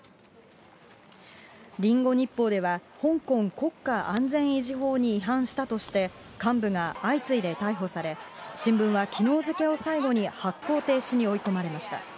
リンゴ日報では、香港国家安全維持法に違反したとして、幹部が相次いで逮捕され、新聞はきのう付けを最後に、発行停止に追い込まれました。